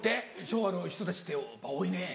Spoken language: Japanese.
昭和の人たちってやっぱ多いね。